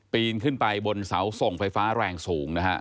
นขึ้นไปบนเสาส่งไฟฟ้าแรงสูงนะฮะ